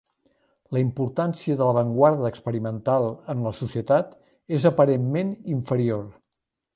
La importància de l'avantguarda experimental en la societat és aparentment inferior.